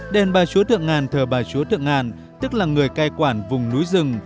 đền bà chúa thượng ngàn thờ bà chúa thượng ngàn tức là người cai quản vùng núi rừng